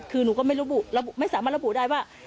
คือหนูก็ไม่รู้ไม่สามารถระบุได้ว่า